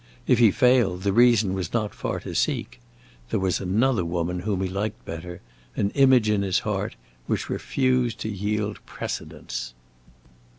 If he failed, the reason was not far to seek. There was another woman whom he liked better, an image in his heart which refused to yield precedence.